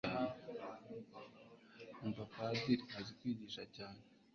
umva padiri azi kwigisha vzane